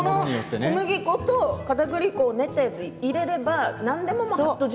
小麦粉とかたくり粉を練ったものを入れれば何でも、はっと汁。